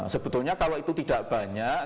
sebetulnya kalau itu tidak banyak